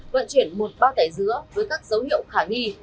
vận chuyển một bao tải dứa với các dấu hiệu khả nghi